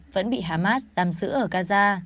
vẫn bị hamas tàm giữ ở gaza